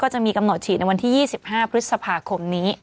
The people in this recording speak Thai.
จะมีกำหนดฉีดในวันที่๒๕พฤษภาคมนี้